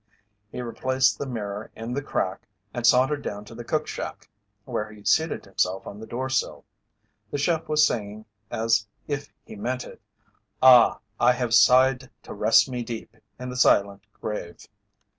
He replaced the mirror in the crack and sauntered down to the cook shack where he seated himself on the door sill. The chef was singing as if he meant it: "Ah, I Have Sighed to Rest Me Deep in the Silent Grave."